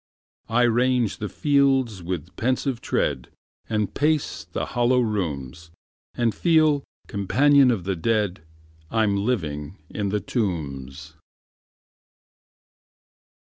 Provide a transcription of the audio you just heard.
I range the fields with pensive tread, And pace the hollow rooms, And feel (companion of the dead) I'm living in the tombs.